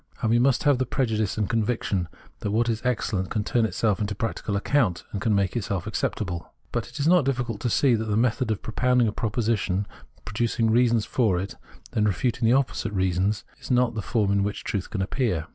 And we must have the prejudice and conviction that what is excellent can turn itself to practical account, and make itself acceptable. But it is not difficult to see that the method of propound ing a proposition, producing reasons for it and then refuting its opposite by reasons too, is not the form in which truth can appear.